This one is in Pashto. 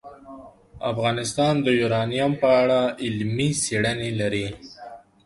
افغانستان د یورانیم په اړه علمي څېړنې لري.